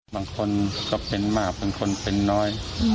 บางคนก็เป็นมากบางคนเป็นน้อย